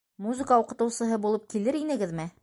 Музыка уҡытыусыһы булып килер инегеҙме?